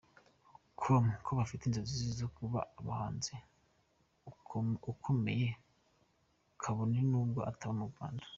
com ko afite inzozi zo kuba umuhanzi ukomeye kabone n'ubwo ataba mu Rwanda.